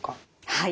はい。